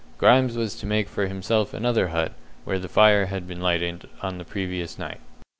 Grimes was to make for himself another hut where the fire had been lighted on the previous night.